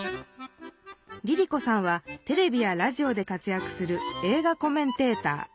ＬｉＬｉＣｏさんはテレビやラジオで活やくする映画コメンテーター。